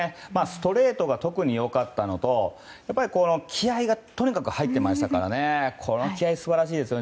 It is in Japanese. ストレートが特に良かったのと気合がとにかく入っていましたからこの気合素晴らしいです。